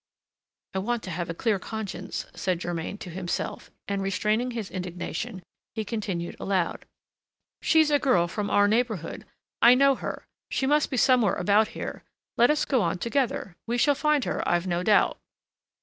"I want to have a clear conscience," said Germain to himself, and, restraining his indignation, he continued aloud: "She's a girl from our neighborhood; I know her: she must be somewhere about here. Let us go on together we shall find her, I've no doubt."